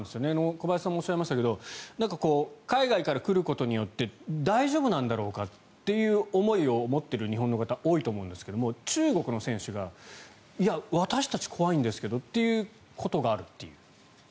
小林さんもおっしゃいましたが海外から来ることによって大丈夫なんだろうかという考えを持っている日本の方多いと思うんですが中国の選手がいや、私たち怖いんですけどということがあるという。